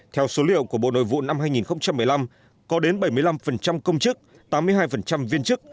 theo số liệu của bộ nội vụ năm hai nghìn một mươi năm có đến bảy mươi năm công chức tám mươi hai viên chức